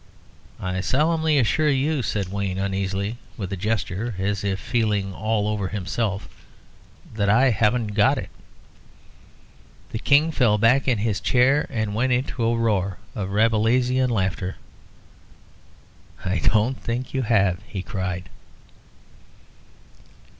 "I solemnly assure you," said Wayne, uneasily, with a gesture, as if feeling all over himself, "that I haven't got it." The King fell back in his chair, and went into a roar of Rabelaisian laughter. "I don't think you have," he cried.